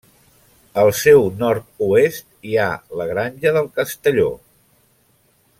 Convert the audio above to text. Al seu nord-oest hi ha la Granja del Castelló.